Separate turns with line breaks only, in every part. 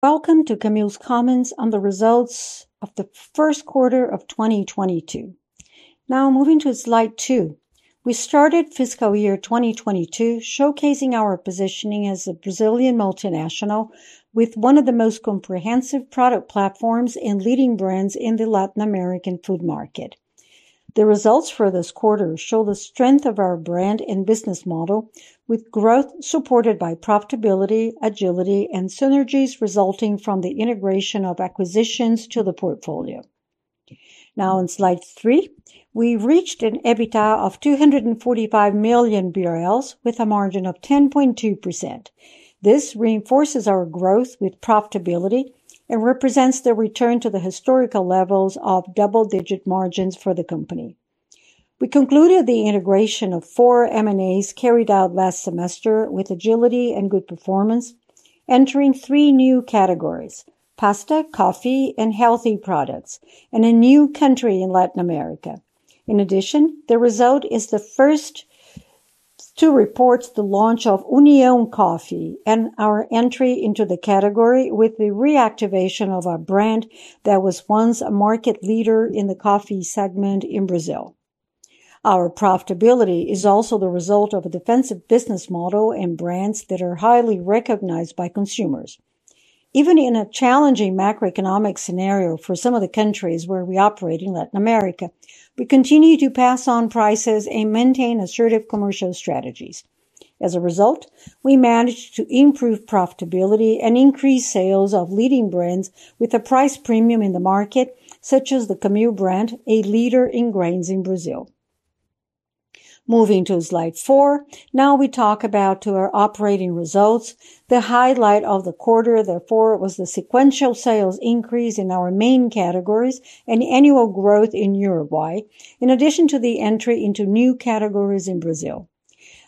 Welcome to Camil's comments on the results of the first quarter of 2022. Now moving to slide two. We started fiscal year 2022 showcasing our positioning as a Brazilian multinational with one of the most comprehensive product platforms and leading brands in the Latin American food market. The results for this quarter show the strength of our brand and business model, with growth supported by profitability, agility, and synergies resulting from the integration of acquisitions to the portfolio. Now on slide three, we reached an EBITDA of 245 million BRL, with a margin of 10.2%. This reinforces our growth with profitability and represents the return to the historical levels of double-digit margins for the company. We concluded the integration of four M&As carried out last semester with agility and good performance, entering three new categories, pasta, coffee, and healthy products, and a new country in Latin America. In addition, this result is the first to report the launch of União Coffee and our entry into the category with the reactivation of a brand that was once a market leader in the coffee segment in Brazil. Our profitability is also the result of a defensive business model and brands that are highly recognized by consumers. Even in a challenging macroeconomic scenario for some of the countries where we operate in Latin America, we continue to pass on prices and maintain assertive commercial strategies. As a result, we managed to improve profitability and increase sales of leading brands with a price premium in the market, such as the Camil brand, a leader in grains in Brazil. Moving to slide four. Now we talk about our operating results. The highlight of the quarter, therefore, was the sequential sales increase in our main categories and annual growth in Uruguay, in addition to the entry into new categories in Brazil.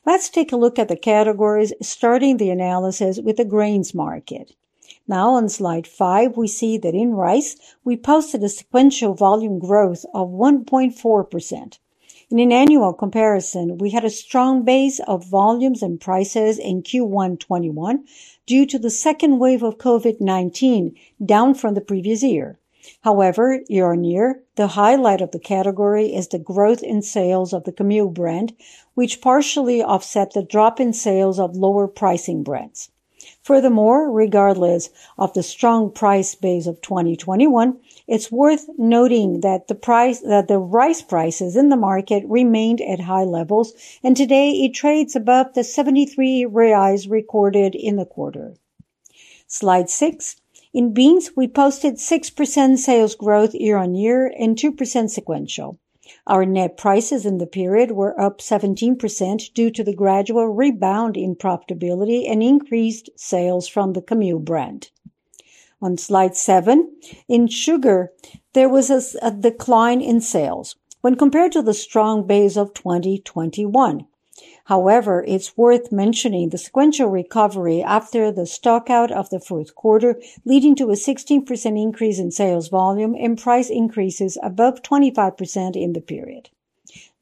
Let's take a look at the categories, starting the analysis with the grains market. Now on slide five, we see that in rice, we posted a sequential volume growth of 1.4%. In an annual comparison, we had a strong base of volumes and prices in Q1 2021 due to the second wave of COVID-19, down from the previous year. However, year-on-year, the highlight of the category is the growth in sales of the Camil brand, which partially offset the drop in sales of lower pricing brands. Furthermore, regardless of the strong price base of 2021, it's worth noting that the price. That the rice prices in the market remained at high levels, and today it trades above the 73 reais recorded in the quarter. Slide six. In beans, we posted 6% sales growth year-on-year and 2% sequential. Our net prices in the period were up 17% due to the gradual rebound in profitability and increased sales from the Camil brand. On Slide seven, in sugar, there was a decline in sales when compared to the strong base of 2021. However, it's worth mentioning the sequential recovery after the stock out of the fourth quarter, leading to a 16% increase in sales volume and price increases above 25% in the period.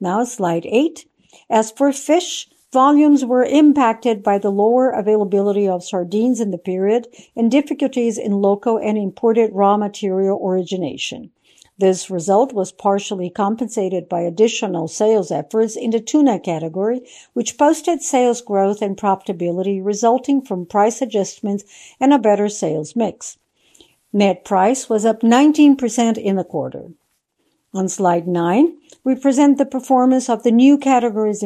Now Slide eight. As for fish, volumes were impacted by the lower availability of sardines in the period and difficulties in local and imported raw material origination. This result was partially compensated by additional sales efforts in the tuna category, which posted sales growth and profitability resulting from price adjustments and a better sales mix. Net price was up 19% in the quarter. On slide nine, we present the performance of the new categories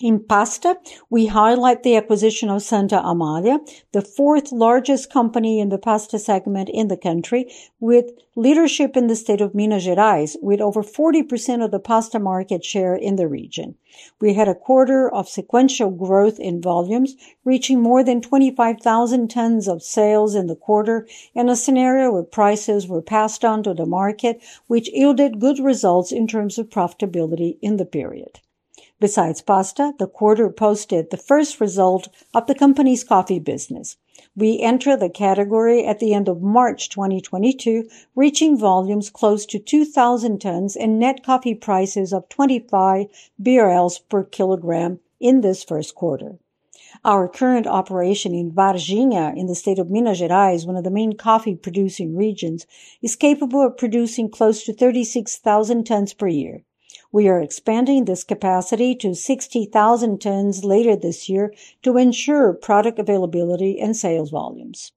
in Brazil. In pasta, we highlight the acquisition of Santa Amália, the fourth largest company in the pasta segment in the country, with leadership in the state of Minas Gerais, with over 40% of the pasta market share in the region. We had a quarter of sequential growth in volumes, reaching more than 25,000 tons of sales in the quarter in a scenario where prices were passed on to the market, which yielded good results in terms of profitability in the period. Besides pasta, the quarter posted the first result of the company's coffee business. We entered the category at the end of March 2022, reaching volumes close to 2,000 tons and net coffee prices of 25 BRL per kilogram in this first quarter. Our current operation in Varginha, in the state of Minas Gerais, one of the main coffee producing regions, is capable of producing close to 36,000 tons per year. We are expanding this capacity to 60,000 tons later this year to ensure product availability and sales volumes.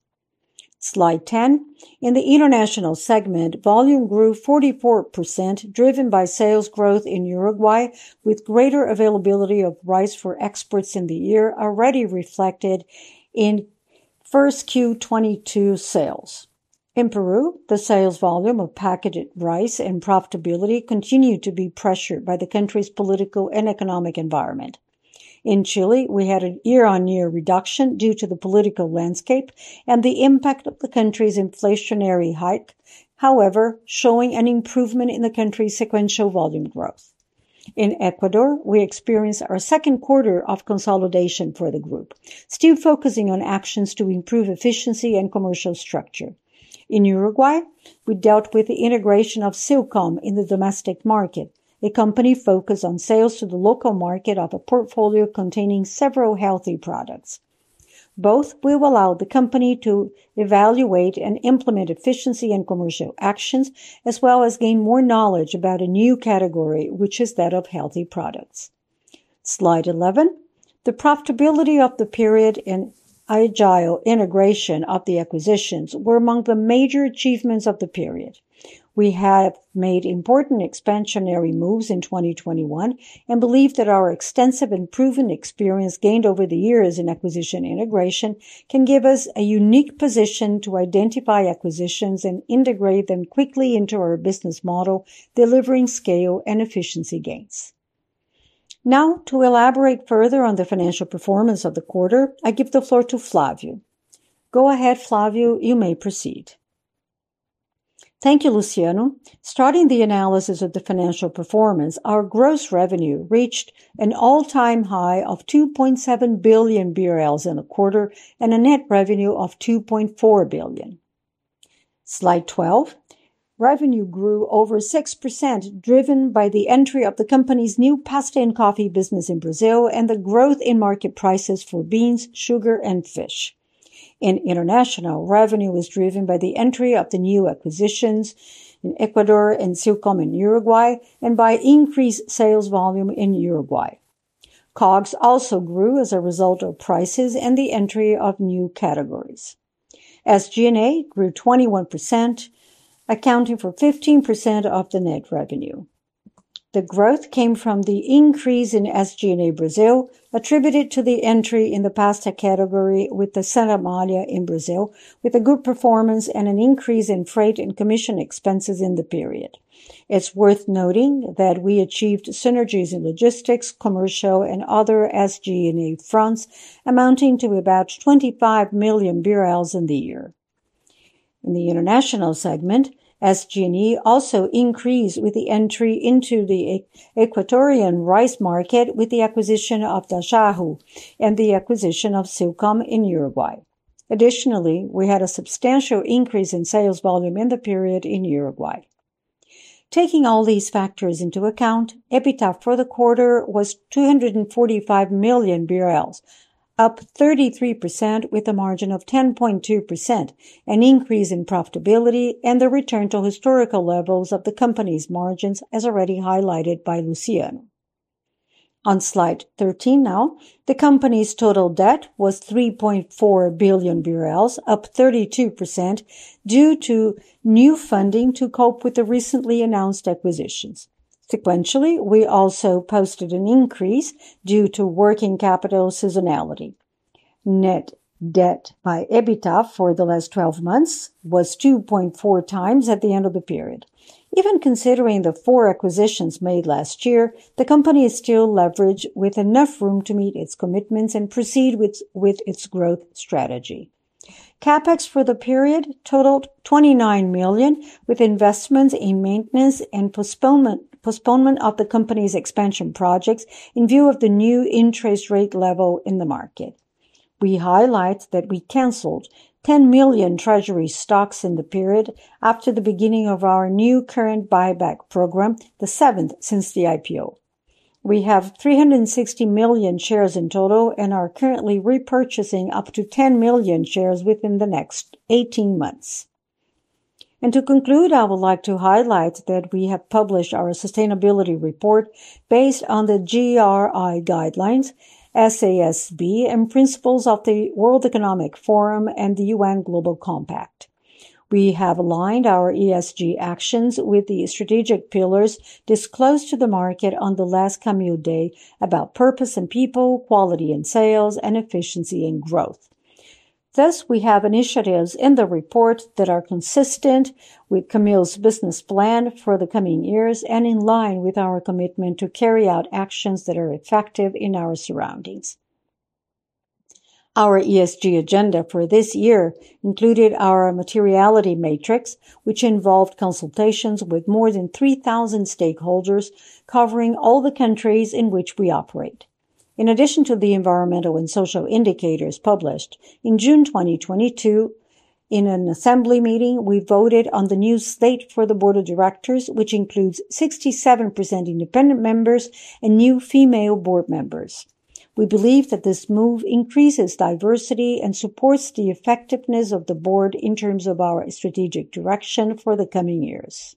Slide 10. In the international segment, volume grew 44%, driven by sales growth in Uruguay, with greater availability of rice for exports in the year already reflected in first Q 2022 sales. In Peru, the sales volume of packaged rice and profitability continued to be pressured by the country's political and economic environment. In Chile, we had a year-on-year reduction due to the political landscape and the impact of the country's inflationary hike, however, showing an improvement in the country's sequential volume growth. In Ecuador, we experienced our second quarter of consolidation for the group, still focusing on actions to improve efficiency and commercial structure. In Uruguay, we dealt with the integration of Silcom in the domestic market, a company focused on sales to the local market of a portfolio containing several healthy products. Both will allow the company to evaluate and implement efficiency and commercial actions, as well as gain more knowledge about a new category, which is that of healthy products. Slide 11. The profitability of the period and agile integration of the acquisitions were among the major achievements of the period. We have made important expansionary moves in 2021 and believe that our extensive and proven experience gained over the years in acquisition integration can give us a unique position to identify acquisitions and integrate them quickly into our business model, delivering scale and efficiency gains. Now, to elaborate further on the financial performance of the quarter, I give the floor to Flavio. Go ahead, Flavio, you may proceed.
Thank you, Luciano. Starting the analysis of the financial performance, our gross revenue reached an all-time high of 2.7 billion BRL in the quarter and a net revenue of 2.4 billion. Slide 12, revenue grew over 6% driven by the entry of the company's new pasta and coffee business in Brazil and the growth in market prices for beans, sugar, and fish. In international, revenue was driven by the entry of the new acquisitions in Ecuador and Silcom S.A. in Uruguay and by increased sales volume in Uruguay. COGS also grew as a result of prices and the entry of new categories. SG&A grew 21%, accounting for 15% of the net revenue. The growth came from the increase in SG&A Brazil, attributed to the entry in the pasta category with the Santa Amália in Brazil with a good performance and an increase in freight and commission expenses in the period. It's worth noting that we achieved synergies in logistics, commercial, and other SG&A fronts amounting to about 25 million in the year. In the international segment, SG&A also increased with the entry into the Ecuadorian rice market with the acquisition of Dajahu and the acquisition of Silcom S.A. in Uruguay. Additionally, we had a substantial increase in sales volume in the period in Uruguay. Taking all these factors into account, EBITDA for the quarter was 245 million BRL, up 33% with a margin of 10.2%, an increase in profitability and the return to historical levels of the company's margins as already highlighted by Luciano. On slide 13 now, the company's total debt was 3.4 billion, up 32% due to new funding to cope with the recently announced acquisitions. Sequentially, we also posted an increase due to working capital seasonality. Net debt to EBITDA for the last 12 months was 2.4 times at the end of the period. Even considering the four acquisitions made last year, the company is still leveraged with enough room to meet its commitments and proceed with its growth strategy. CapEx for the period totaled BRL 29 million, with investments in maintenance and postponement of the company's expansion projects in view of the new interest rate level in the market. We highlight that we canceled 10 million treasury stocks in the period after the beginning of our new current buyback program, the seventh since the IPO. We have 360 million shares in total and are currently repurchasing up to 10 million shares within the next 18 months. To conclude, I would like to highlight that we have published our sustainability report based on the GRI guidelines, SASB, and principles of the World Economic Forum and the UN Global Compact. We have aligned our ESG actions with the strategic pillars disclosed to the market on the last Camil Day about purpose and people, quality and sales, and efficiency and growth. Thus, we have initiatives in the report that are consistent with Camil's business plan for the coming years and in line with our commitment to carry out actions that are effective in our surroundings. Our ESG agenda for this year included our materiality matrix, which involved consultations with more than 3,000 stakeholders covering all the countries in which we operate. In addition to the environmental and social indicators published, in June 2022, in an assembly meeting, we voted on the new state for the board of directors, which includes 67% independent members and new female board members. We believe that this move increases diversity and supports the effectiveness of the board in terms of our strategic direction for the coming years.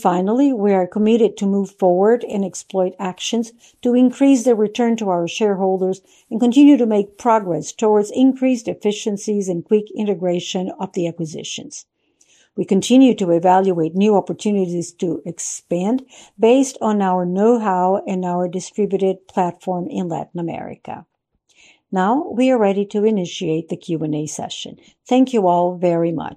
Finally, we are committed to move forward and exploit actions to increase the return to our shareholders and continue to make progress towards increased efficiencies and quick integration of the acquisitions. We continue to evaluate new opportunities to expand based on our know-how and our distributed platform in Latin America. Now, we are ready to initiate the Q&A session. Thank you all very much.